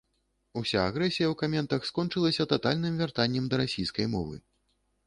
Уся агрэсія ў каментах скончылася татальным вяртаннем да расійскай мовы.